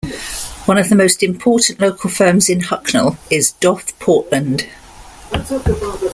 One of the most important local firms in Hucknall is Doff Portland.